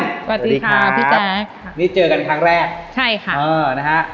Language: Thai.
สวัสดีค่ะพี่แจ๊คค่ะนี่เจอกันครั้งแรกใช่ค่ะเออนะฮะ